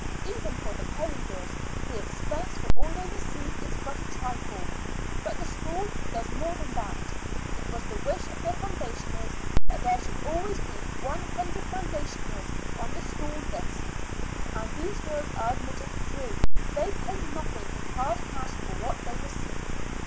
Even for the paying girls the expense for all they receive is but a trifle. But the school does more than that. It was the wish of the founders that there should always be one hundred foundationers on the school lists, and these girls are admitted free; they pay nothing in hard cash for what they receive.